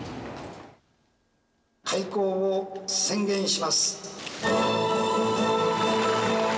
開港を宣言します。